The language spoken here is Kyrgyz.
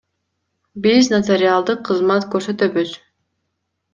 Биз нотариалдык кызмат көрсөтөбүз.